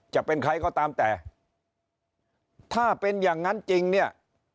จะเป็นใครก็ตามแต่ถ้าเป็นอย่างนั้นจริงเนี่ย